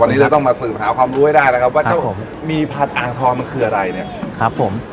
วันนี้เราต้องมาสืบหาความรู้ให้ได้นะครับว่ามีผัดอ่างทองมันคืออะไรเนี่ย